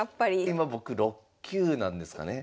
今僕６級なんですかね。